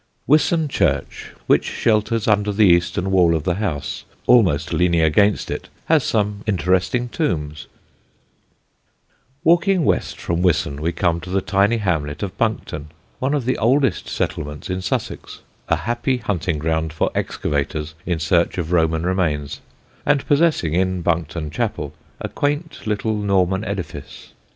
Wiston church, which shelters under the eastern wall of the house, almost leaning against it, has some interesting tombs. [Sidenote: BIOHCHANDOUNE] Walking west from Wiston we come to the tiny hamlet of Buncton, one of the oldest settlements in Sussex, a happy hunting ground for excavators in search of Roman remains, and possessing in Buncton chapel a quaint little Norman edifice.